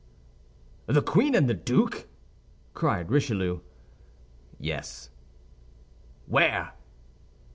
"The queen and the duke?" cried Richelieu. "Yes." "Where?"